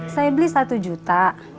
saya beli satu juta